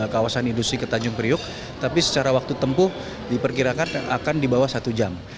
kawasan industri ke tanjung priuk tapi secara waktu tempuh diperkirakan akan di bawah satu jam